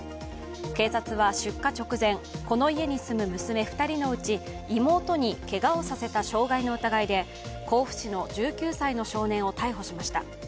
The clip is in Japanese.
警察は出火直前、この家に住む娘２人のうち妹にけがをさせた傷害の疑いで甲府市の１９歳の少年を逮捕しました。